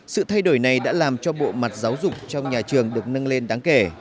sự thay đổi này đã làm cho bộ mặt giáo dục trong nhà trường được nâng lên đáng kể